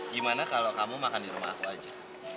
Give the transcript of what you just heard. gimana kalau kamu makan di rumah aku aja